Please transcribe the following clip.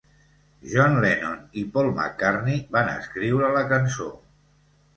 John Lennon i Paul McCartney van escriure la cançó.